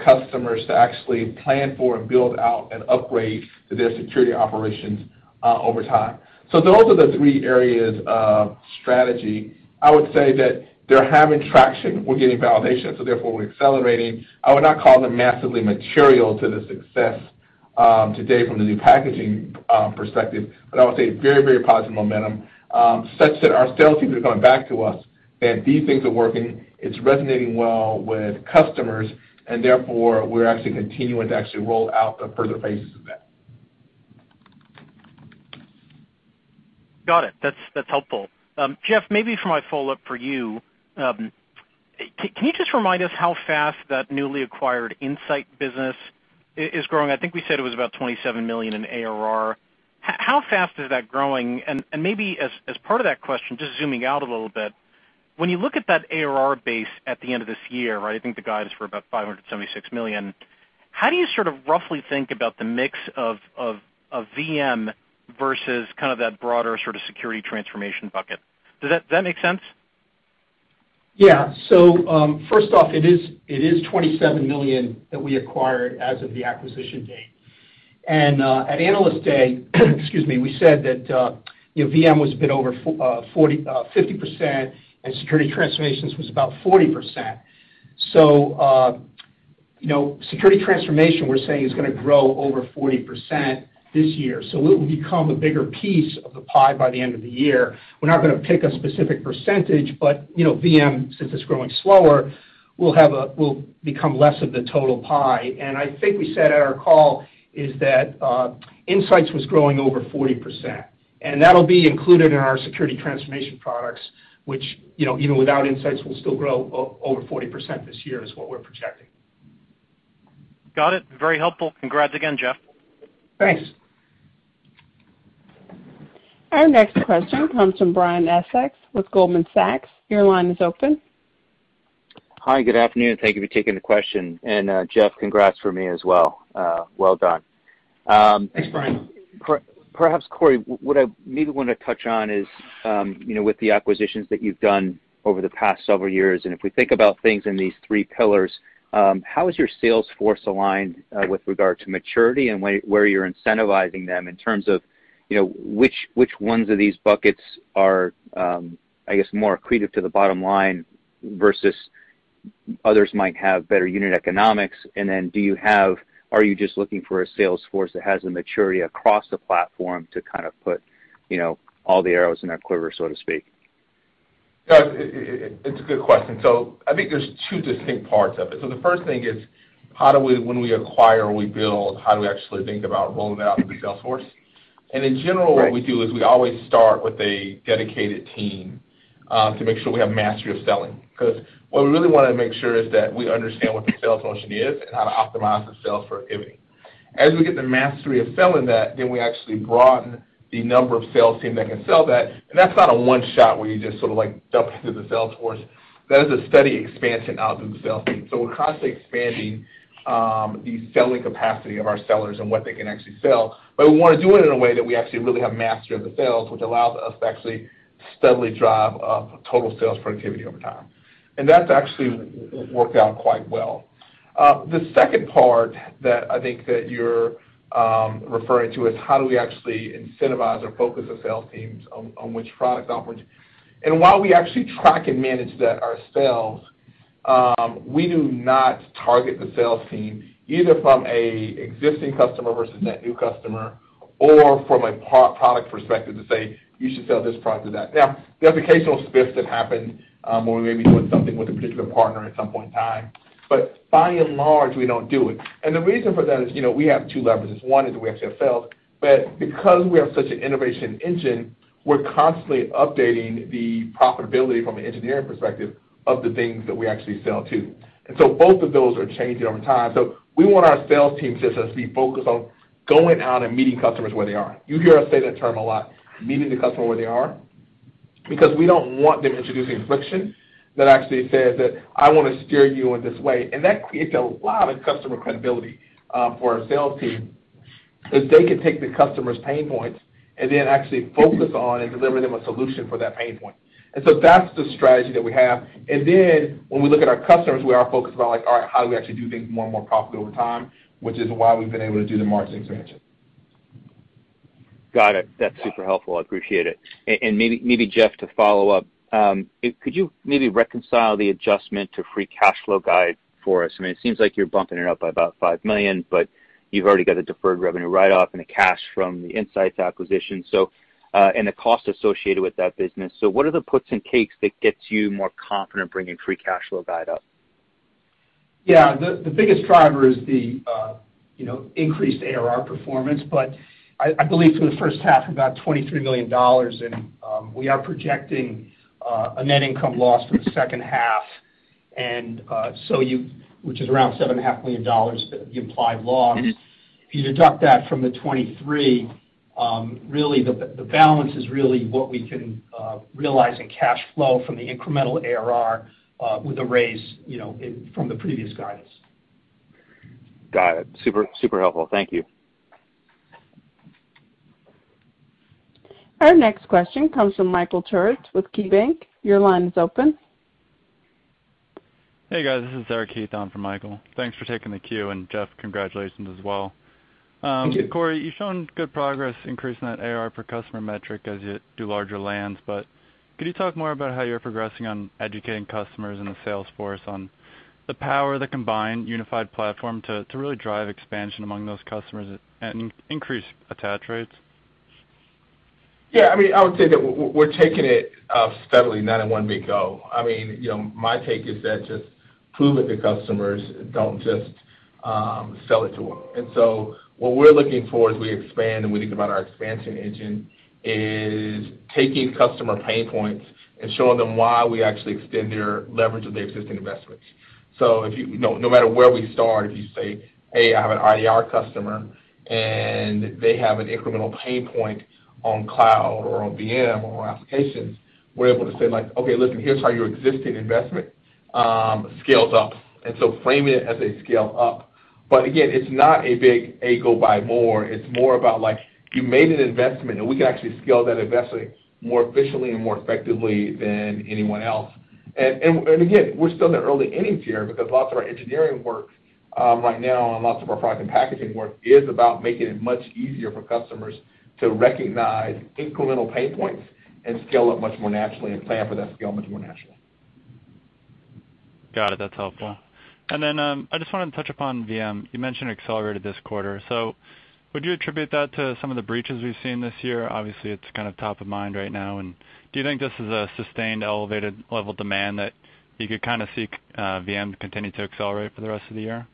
[SPEAKER 3] customers to actually plan for and build out and upgrade their security operations over time. Those are the three areas of strategy. I would say that they're having traction. We're getting validation, so therefore we're accelerating. I would not call them massively material to the success to date from the new packaging perspective, but I would say very, very positive momentum, such that our sales team is coming back to us that these things are working, it's resonating well with customers, and therefore, we're actually continuing to actually roll out the further phases of that.
[SPEAKER 7] Got it. That's helpful. Jeff, maybe for my follow-up for you, can you just remind us how fast that newly acquired Insight business is growing? I think we said it was about $27 million in ARR. How fast is that growing? Maybe as part of that question, just zooming out a little bit, when you look at that ARR base at the end of this year, I think the guide is for about $576 million, how do you roughly think about the mix of VM versus that broader security transformation bucket? Does that make sense?
[SPEAKER 4] First off, it is $27 million that we acquired as of the acquisition date. At Analyst Day, excuse me, we said that VM was a bit over 50% and security transformations was about 40%. Security transformation, we're saying, is going to grow over 40% this year. It will become a bigger piece of the pie by the end of the year. We're not going to pick a specific percentage, but VM, since it's growing slower, will become less of the total pie. I think we said at our call is that IntSights was growing over 40%, and that will be included in our security transformation products, which, even without IntSights, will still grow over 40% this year, is what we're projecting.
[SPEAKER 7] Got it. Very helpful. Congrats again, Jeff.
[SPEAKER 4] Thanks.
[SPEAKER 1] Our next question comes from Brian Essex with Goldman Sachs. Your line is open.
[SPEAKER 8] Hi. Good afternoon. Thank you for taking the question. Jeff, congrats from me as well. Well done.
[SPEAKER 4] Thanks, Brian.
[SPEAKER 8] Perhaps, Corey, what I maybe want to touch on is with the acquisitions that you've done over the past several years, and if we think about things in these three pillars, how is your sales force aligned with regard to maturity and where you're incentivizing them in terms of which ones of these buckets are more accretive to the bottom line versus others might have better unit economics? Are you just looking for a sales force that has the maturity across the platform to put all the arrows in that quiver, so to speak?
[SPEAKER 3] It's a good question. I think there's two distinct parts of it. The first thing is, when we acquire or we build, how do we actually think about rolling it out in the sales force?
[SPEAKER 8] Right
[SPEAKER 3] What we do is we always start with a dedicated team to make sure we have mastery of selling, because what we really want to make sure is that we understand what the sales motion is and how to optimize the sales productivity. As we get the mastery of selling that, then we actually broaden the number of sales team that can sell that. That's not a one shot where you just sort of dump it to the sales force. That is a steady expansion out through the sales team. We're constantly expanding the selling capacity of our sellers and what they can actually sell, but we want to do it in a way that we actually really have mastery of the sales, which allows us to actually steadily drive up total sales productivity over time. That's actually worked out quite well. The second part that I think that you're referring to is how do we actually incentivize or focus the sales teams on which product offerings. While we actually track and manage that ourselves, we do not target the sales team, either from an existing customer versus a net new customer or from a product perspective to say, "You should sell this product to that." Now, we have occasional spiffs that happen where we may be doing something with a particular partner at some point in time, but by and large, we don't do it. The reason for that is we have two leverages. One is we actually sell, but because we are such an innovation engine, we're constantly updating the profitability from an engineering perspective of the things that we actually sell, too. Both of those are changing over time. We want our sales team to just be focused on going out and meeting customers where they are. You hear us say that term a lot, meeting the customer where they are, because we don't want them introducing friction that actually says that, "I want to steer you in this way." That creates a lot of customer credibility for our sales team, because they can take the customer's pain points and then actually focus on and deliver them a solution for that pain point. That's the strategy that we have. When we look at our customers, we are focused on how do we actually do things more and more profitable over time, which is why we've been able to do the margin expansion.
[SPEAKER 8] Got it. That's super helpful. I appreciate it. Maybe Jeff, to follow up, could you maybe reconcile the adjustment to free cash flow guide for us? It seems like you're bumping it up by about $5 million, but you've already got a deferred revenue write-off and a cash from the IntSights acquisition, and the cost associated with that business. What are the puts and takes that gets you more confident bringing free cash flow guide up?
[SPEAKER 4] Yeah. The biggest driver is the increased ARR performance, but I believe for the first half, about $23 million. We are projecting a net income loss for the second half, which is around $7.5 million, the implied loss. If you deduct that from the $23, really, the balance is really what we can realize in cash flow from the incremental ARR with the raise from the previous guidance.
[SPEAKER 8] Got it. Super helpful. Thank you.
[SPEAKER 1] Our next question comes from Michael Turits with KeyBanc. Your line is open.
[SPEAKER 9] Hey, guys. This is Eric Heath on for Michael. Thanks for taking the Q, and Jeff, congratulations as well.
[SPEAKER 4] Thank you.
[SPEAKER 9] Corey, you've shown good progress increasing that ARR per customer metric as you do larger lands, but could you talk more about how you're progressing on educating customers in the sales force on the power of the combined unified platform to really drive expansion among those customers and increase attach rates?
[SPEAKER 3] Yeah. I would say that we're taking it steadily, not in one big go. My take is that just prove it to customers, don't just sell it to them. What we're looking for as we expand and we think about our expansion engine is taking customer pain points and showing them why we actually extend their leverage of their existing investments. No matter where we start, if you say, "Hey, I have an IDR customer, and they have an incremental pain point on cloud or on VM or on applications," we're able to say, "Okay, listen, here's how your existing investment scales up." Frame it as a scale up. Again, it's not a big go buy more. It's more about you made an investment, and we can actually scale that investment more efficiently and more effectively than anyone else. Again, we're still in the early innings here because lots of our engineering work right now and lots of our product and packaging work is about making it much easier for customers to recognize incremental pain points and scale up much more naturally and plan for that scale much more naturally.
[SPEAKER 9] Got it. That's helpful. I just wanted to touch upon VM. You mentioned it accelerated this quarter. Would you attribute that to some of the breaches we've seen this year? Obviously, it's top of mind right now, do you think this is a sustained elevated level demand that you could see VM continue to accelerate for the rest of the year?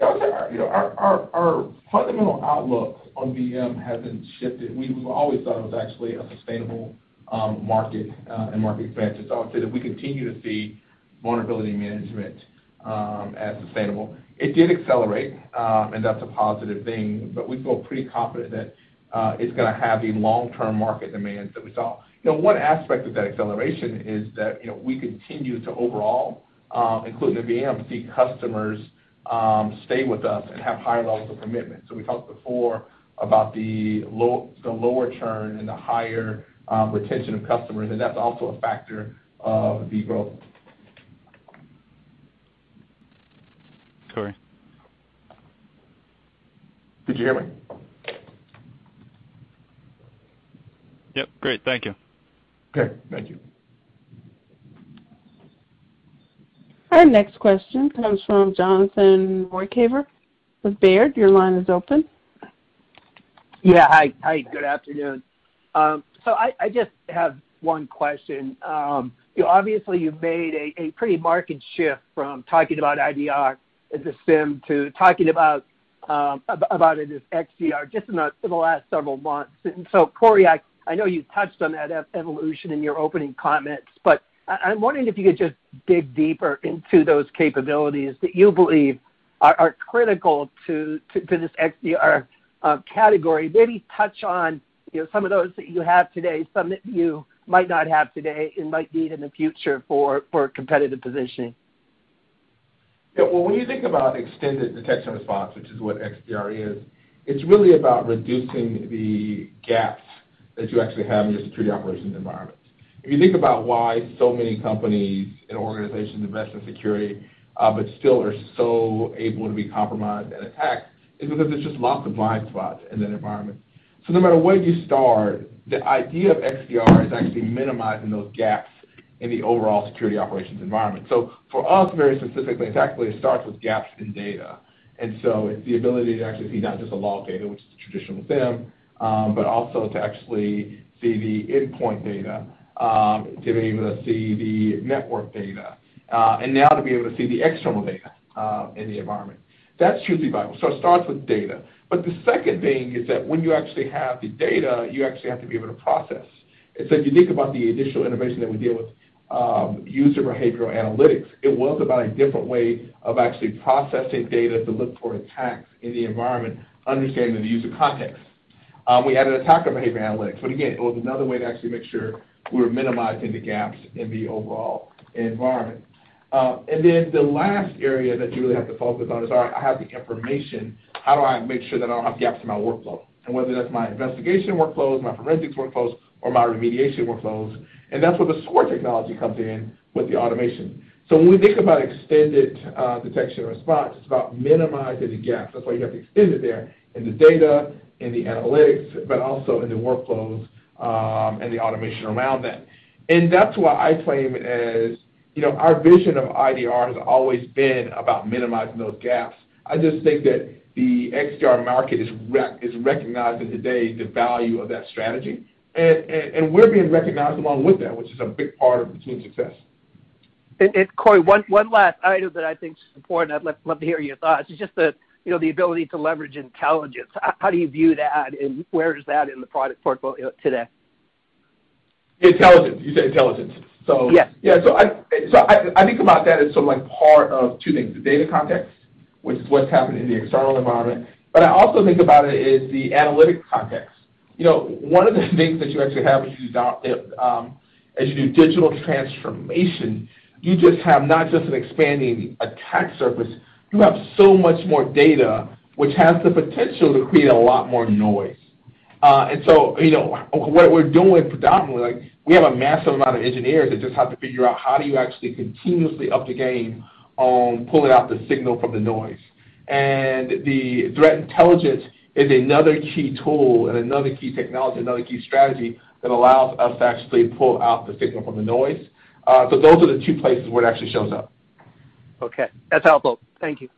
[SPEAKER 3] Our fundamental outlook on VM hasn't shifted. We've always thought it was actually a sustainable market and market expansion. I would say that we continue to see vulnerability management as sustainable. It did accelerate, and that's a positive thing, but we feel pretty confident that it's going to have the long-term market demand that we saw. One aspect of that acceleration is that we continue to overall, including the VM, see customers stay with us and have higher levels of commitment. We talked before about the lower churn and the higher retention of customers, and that's also a factor of the growth.
[SPEAKER 9] Sorry.
[SPEAKER 3] Did you hear me?
[SPEAKER 9] Yep. Great. Thank you.
[SPEAKER 3] Okay. Thank you.
[SPEAKER 1] Our next question comes from Jonathan Ruykhaver with Baird. Your line is open.
[SPEAKER 10] Yeah. Hi, good afternoon. I just have one question. Obviously, you've made a pretty marked shift from talking about IDR as a SIEM to talking about it as XDR just in the last several months. Corey, I know you touched on that evolution in your opening comments, but I'm wondering if you could just dig deeper into those capabilities that you believe are critical to this XDR category. Maybe touch on some of those that you have today, some that you might not have today and might need in the future for competitive positioning.
[SPEAKER 3] Yeah. Well, when you think about extended detection and response, which is what XDR is, it's really about reducing the gaps that you actually have in your security operations environment. If you think about why so many companies and organizations invest in security but still are so able to be compromised and attacked, it's because there's just lots of blind spots in that environment. No matter where you start, the idea of XDR is actually minimizing those gaps in the overall security operations environment. For us, very specifically, it actually starts with gaps in data. It's the ability to actually see not just the log data, which is the traditional SIEM, but also to actually see the endpoint data, to be able to see the network data. Now to be able to see the external data in the environment. That's hugely valuable. It starts with data. The second thing is that when you actually have the data, you actually have to be able to process. If you think about the initial innovation that we did with user behavioral analytics, it was about a different way of actually processing data to look for attacks in the environment, understanding the user context. We added attacker behavior analytics, but again, it was another way to actually make sure we were minimizing the gaps in the overall environment. The last area that you really have to focus on is, all right, I have the information. How do I make sure that I don't have gaps in my workflow? Whether that's my investigation workflows, my forensics workflows, or my remediation workflows, and that's where the SOAR technology comes in with the automation. When we think about Extended Detection and Response, it's about minimizing the gaps. That's why you have the extended there in the data, in the analytics, but also in the workflows, and the automation around that. That's why I claim it as our vision of IDR has always been about minimizing those gaps. I just think that the XDR market is recognizing today the value of that strategy. We're being recognized along with that, which is a big part of the team's success.
[SPEAKER 10] Corey, one last item that I think is important. I'd love to hear your thoughts. It's just the ability to leverage intelligence. How do you view that, and where is that in the product portfolio today?
[SPEAKER 3] Intelligence. You said intelligence.
[SPEAKER 10] Yes.
[SPEAKER 3] I think about that as part of two things, the data context, which is what's happening in the external environment, but I also think about it is the analytic context. One of the things that you actually have as you do digital transformation, you just have not just an expanding attack surface, you have so much more data, which has the potential to create a lot more noise. What we're doing predominantly, we have a massive amount of engineers that just have to figure out how do you actually continuously up the game on pulling out the signal from the noise. The threat intelligence is another key tool and another key technology, another key strategy that allows us to actually pull out the signal from the noise. Those are the two places where it actually shows up.
[SPEAKER 10] Okay. That's helpful. Thank you.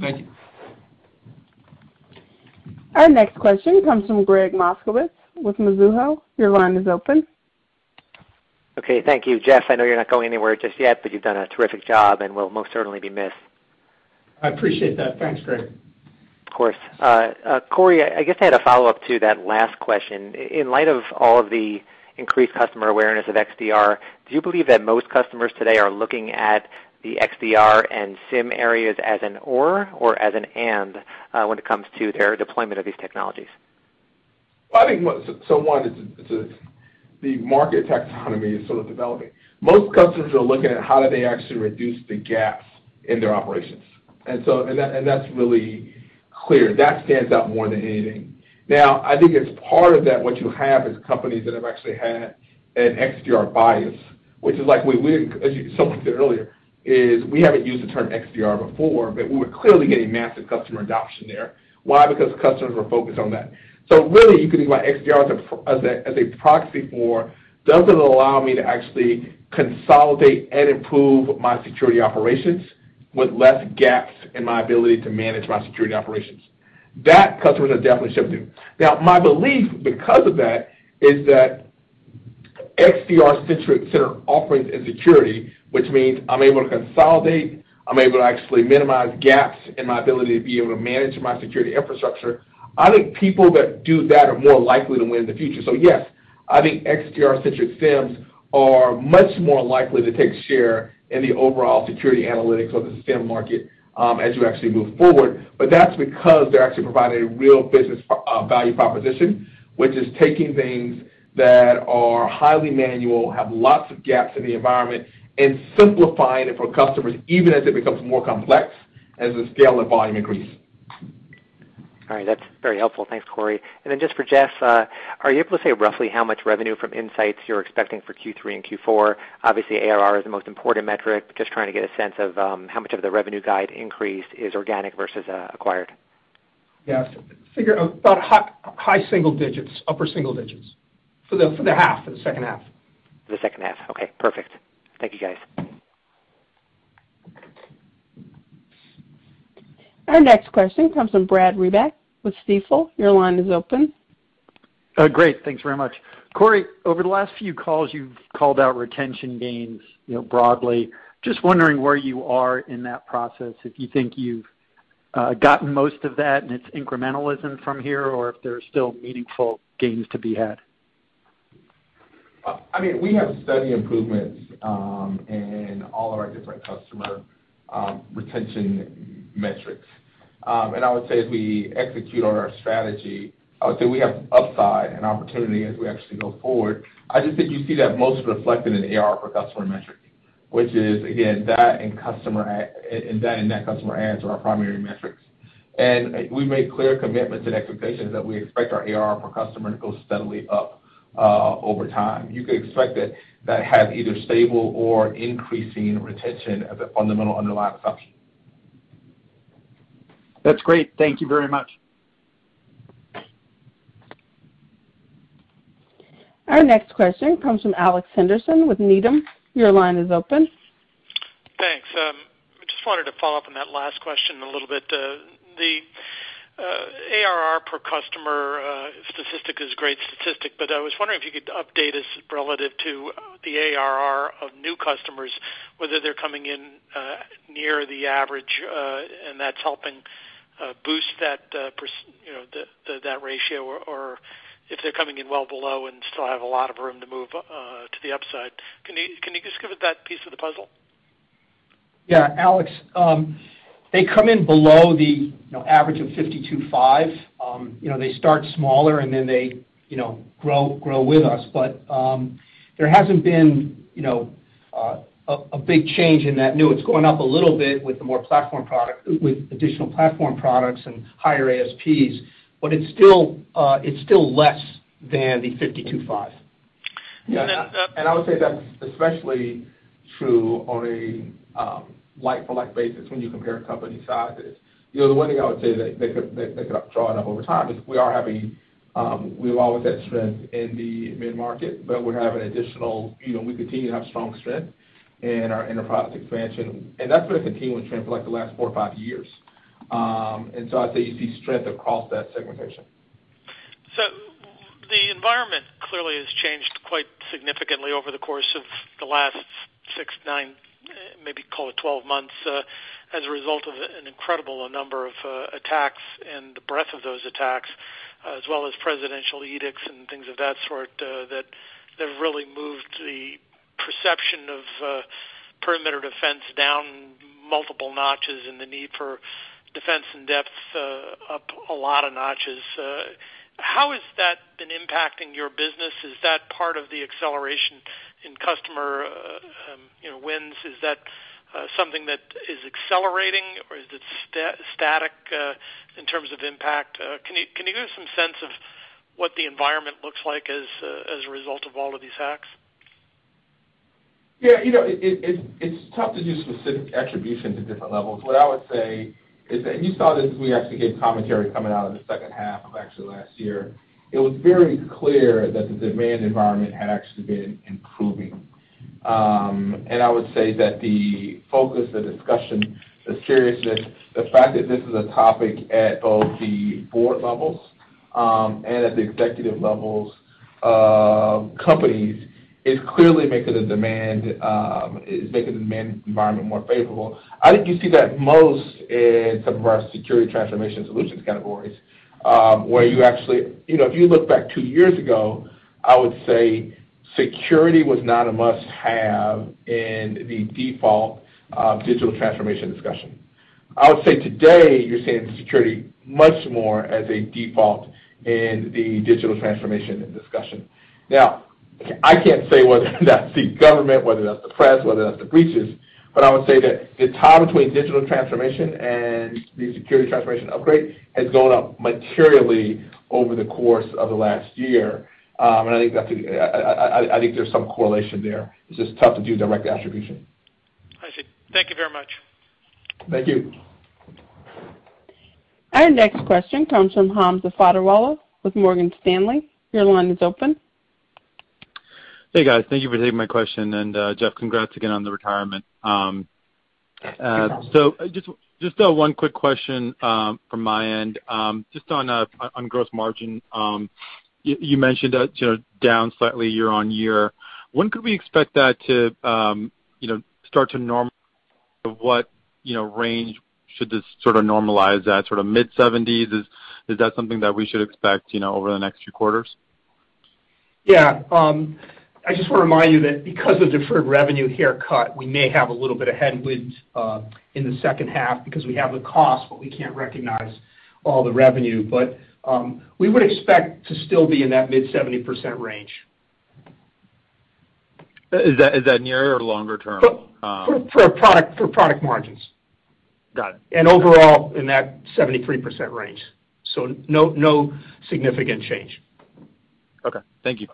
[SPEAKER 3] Thank you.
[SPEAKER 1] Our next question comes from Gregg Moskowitz with Mizuho. Your line is open.
[SPEAKER 11] Okay. Thank you, Jeff. I know you're not going anywhere just yet, but you've done a terrific job and will most certainly be missed.
[SPEAKER 4] I appreciate that. Thanks, Gregg.
[SPEAKER 11] Of course. Corey, I guess I had a follow-up to that last question. In light of all of the increased customer awareness of XDR, do you believe that most customers today are looking at the XDR and SIEM areas as an or as an and, when it comes to their deployment of these technologies?
[SPEAKER 3] Well, I think, one is the market taxonomy is sort of developing. Most customers are looking at how do they actually reduce the gaps in their operations. That's really clear. That stands out more than anything. Now, I think as part of that, what you have is companies that have actually had an XDR bias, which is like someone said earlier, is we haven't used the term XDR before, but we were clearly getting massive customer adoption there. Why? Because customers were focused on that. Really, you could think about XDR as a proxy for does it allow me to actually consolidate and improve my security operations with less gaps in my ability to manage my security operations? That, customers have definitely shifted to. Now, my belief, because of that, is that XDR-centric offerings and security, which means I'm able to consolidate, I'm able to actually minimize gaps in my ability to be able to manage my security infrastructure. I think people that do that are more likely to win in the future. yes, I think XDR-centric SIEMs are much more likely to take share in the overall security analytics of the SIEM market as you actually move forward. That's because they're actually providing a real business value proposition, which is taking things that are highly manual, have lots of gaps in the environment, and simplifying it for customers, even as it becomes more complex, as the scale and volume increase.
[SPEAKER 11] All right. That's very helpful. Thanks, Corey. Then just for Jeff, are you able to say roughly how much revenue from IntSights you're expecting for Q3 and Q4? Obviously, ARR is the most important metric. Just trying to get a sense of how much of the revenue guide increase is organic versus acquired.
[SPEAKER 4] Yes. Figure about high single digits, upper single digits for the half, for the second half.
[SPEAKER 11] For the second half. Okay, perfect. Thank you, guys.
[SPEAKER 1] Our next question comes from Brad Reback with Stifel. Your line is open.
[SPEAKER 12] Great. Thanks very much. Corey, over the last few calls, you've called out retention gains broadly. Just wondering where you are in that process, if you think you've gotten most of that and it's incrementalism from here, or if there's still meaningful gains to be had.
[SPEAKER 3] We have steady improvements in all of our different customer retention metrics. I would say as we execute on our strategy, I would say we have upside and opportunity as we actually go forward. I just think you see that most reflected in ARR per customer metric, which is, again, that and net customer adds are our primary metrics. We've made clear commitments and expectations that we expect our ARR per customer to go steadily up over time. You could expect that to have either stable or increasing retention as a fundamental underlying assumption.
[SPEAKER 12] That's great. Thank you very much.
[SPEAKER 1] Our next question comes from Alex Henderson with Needham. Your line is open.
[SPEAKER 13] Thanks. I just wanted to follow up on that last question a little bit. The ARR per customer statistic is a great statistic, but I was wondering if you could update us relative to the ARR of new customers, whether they're coming in near the average and that's helping boost that ratio, or if they're coming in well below and still have a lot of room to move to the upside. Can you just give us that piece of the puzzle?
[SPEAKER 4] Yeah, Alex, they come in below the average of $52.5. They start smaller and they grow with us. There hasn't been a big change in that new. It's going up a little bit with additional platform products and higher ASPs, but it's still less than the $52.5.
[SPEAKER 3] Yeah. I would say that's especially true on a like-for-like basis when you compare company sizes. The one thing I would say that could draw it up over time is we've always had strength in the mid-market, but we continue to have strong strength in our enterprise expansion, and that's been a continuing trend for the last 4 or 5 years. I'd say you see strength across that segmentation.
[SPEAKER 13] The environment clearly has changed quite significantly over the course of the last six, nine, maybe call it 12 months, as a result of an incredible number of attacks and the breadth of those attacks, as well as presidential edicts and things of that sort, that have really moved the perception of perimeter defense down multiple notches and the need for defense in depth up a lot of notches. How has that been impacting your business? Is that part of the acceleration in customer wins? Is that something that is accelerating or is it static in terms of impact? Can you give some sense of what the environment looks like as a result of all of these hacks?
[SPEAKER 3] Yeah. It's tough to do specific attribution to different levels. What I would say is that, and you saw this, we actually gave commentary coming out of the second half of actually last year. It was very clear that the demand environment had actually been improving. I would say that the focus, the discussion, the seriousness, the fact that this is a topic at both the board levels and at the executive levels of companies is clearly making the demand environment more favorable. I think you see that most in some of our security transformation solutions categories, where if you look back two years ago, I would say security was not a must-have in the default digital transformation discussion. I would say today you're seeing security much more as a default in the digital transformation discussion. Now, I can't say whether that's the government, whether that's the press, whether that's the breaches, but I would say that the tie between digital transformation and the security transformation upgrade has gone up materially over the course of the last year. I think there's some correlation there. It's just tough to do direct attribution.
[SPEAKER 13] I see. Thank you very much.
[SPEAKER 3] Thank you.
[SPEAKER 1] Our next question comes from Hamza Fodderwala with Morgan Stanley. Your line is open.
[SPEAKER 14] Hey, guys. Thank you for taking my question, and, Jeff, congrats again on the retirement. Just 1 quick question from my end, just on gross margin. You mentioned that it's down slightly year-over-year. When could we expect that to start to normalize? What range should this normalize at, mid-70s? Is that something that we should expect over the next few quarters?
[SPEAKER 4] I just want to remind you that because of deferred revenue haircut, we may have a little bit of headwind in the second half because we have the cost, but we can't recognize all the revenue. We would expect to still be in that mid-70% range.
[SPEAKER 14] Is that near or longer term?
[SPEAKER 4] For product margins.
[SPEAKER 14] Got it.
[SPEAKER 4] Overall, in that 73% range. No significant change.
[SPEAKER 14] Okay. Thank you.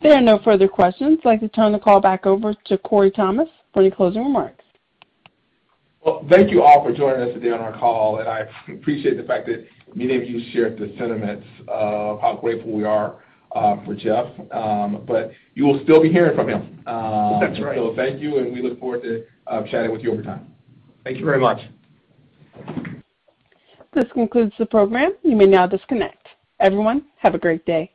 [SPEAKER 1] There are no further questions. I'd like to turn the call back over to Corey Thomas for any closing remarks.
[SPEAKER 3] Thank you all for joining us today on our call. I appreciate the fact that many of you shared the sentiments of how grateful we are for Jeff. You will still be hearing from him.
[SPEAKER 4] That's right.
[SPEAKER 3] Thank you, and we look forward to chatting with you over time.
[SPEAKER 4] Thank you very much.
[SPEAKER 1] This concludes the program. You may now disconnect. Everyone, have a great day.